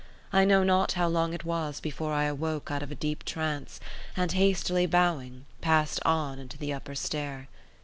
I know not how long it was before I awoke out of a deep trance, and, hastily bowing, passed on into the upper stair.